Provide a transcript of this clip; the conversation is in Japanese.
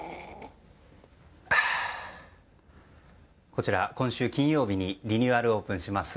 こちら、今週金曜日にリニューアルオープンします